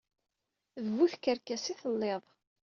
D bu tkerkas i telliḍ.